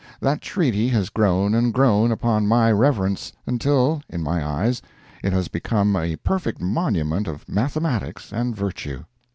That treaty has grown and grown upon my reverence until, in my eyes, it has become a perfect monument of mathematics and virtue.